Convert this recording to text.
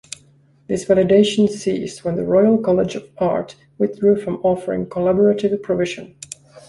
This validation ceased when the Royal College of Art withdrew from offering collaborative provision.